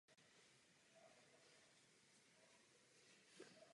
Uprchlíci před syrskou občanskou válkou jsou pro Libanon dalším obrovským problémem.